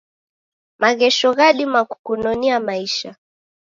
Maghesho ghadima kukunonia maisha